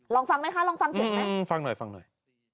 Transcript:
ลองฟังไหมคะลองฟังเสียงไหมฟังหน่อยฟังหน่อย